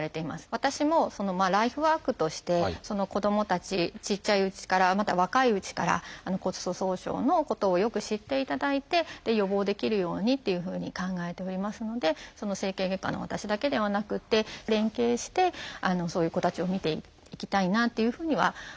私もライフワークとして子どもたちちっちゃいうちからまだ若いうちから骨粗しょう症のことをよく知っていただいて予防できるようにっていうふうに考えておりますので整形外科の私だけではなくて連携してそういう子たちを診ていきたいなというふうには考えてますね。